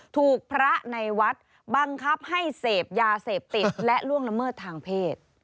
ถูกพระในวัดบังคับให้เสพยาเสพติดและล่วงละเมิดทางเพศ